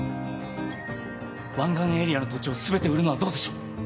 湾岸エリアの土地を全て売るのはどうでしょう？